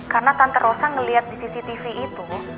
karena tante rosa ngeliat di cctv itu